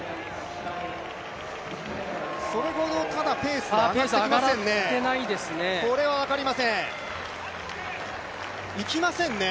それほどただペースは上がってきませんね。